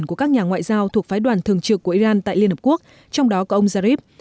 các nhà ngoại giao thuộc phái đoàn thường trược của iran tại liên hợp quốc trong đó có ông jarif